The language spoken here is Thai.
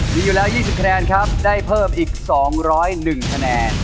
มีอยู่แล้ว๒๐คะแนนครับได้เพิ่มอีก๒๐๑คะแนน